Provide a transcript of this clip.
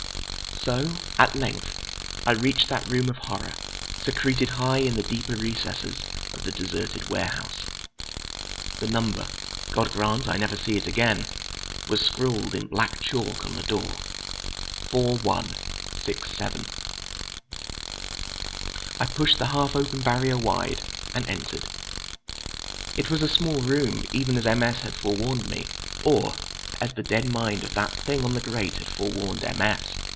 So, at length, I reached that room of horror, secreted high in the deeper recesses of the deserted warehouse. The number—God grant I never see it again!—was scrawled in black chalk on the door—4167. I pushed the half open barrier wide, and entered. It was a small room, even as M. S. had forewarned me—or as the dead mind of that thing on the grate had forewarned M. S.